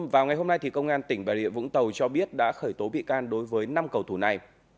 vào ngày hôm nay công an tỉnh bà rịa vũng tàu cho biết đã khởi tố bị can đối với năm cầu thủ này